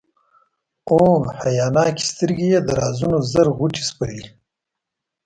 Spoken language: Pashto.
او حیاناکي سترګي یې د رازونو زر غوټي سپړي،